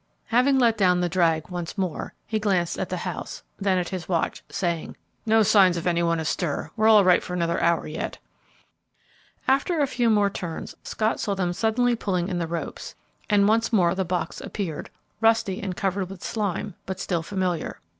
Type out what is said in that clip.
Having let down the drag once more, he glanced at the house, then at his watch, saying, "No signs of any one astir; we're all right for another hour yet." After a few more turns, Scott saw them suddenly pulling in the ropes, and once more the box appeared, rusty and covered with slime, but still familiar.